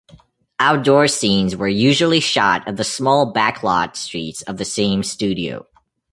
Outdoor scenes were usually shot at the small backlot streets of the same studio.